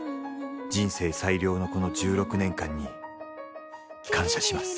「人生最良のこの十六年間に」「感謝します」